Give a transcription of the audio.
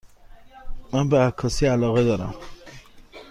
من به عکاسی علاقه دارم.